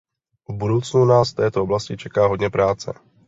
V budoucnu nás v této oblasti čeká hodně práce.